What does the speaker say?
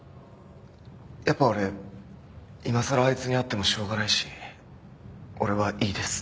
やっぱ俺今さらあいつに会ってもしょうがないし俺はいいです。